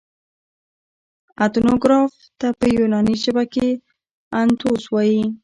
اتنوګراف ته په یوناني ژبه کښي انتوس وايي.